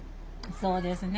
そうですね。